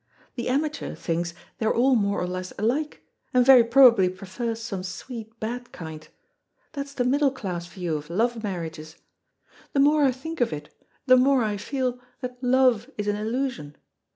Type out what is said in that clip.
The amateur thinks they are all more or less alike, and very probably prefers some sweet bad kind. That's the middle class view of love marriages. The more I think of it, the more I feel that love is an illusion.